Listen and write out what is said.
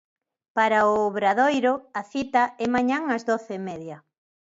Para o Obradoiro a cita é mañá ás doce e media.